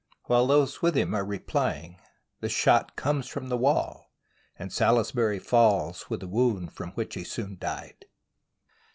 While those with him are replying, the shot comes from the wall and Salisbury falls with a wound from which he soon died.